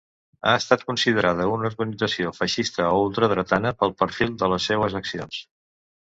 Ha estat considerada una organització feixista o ultradretana pel perfil de les seues accions.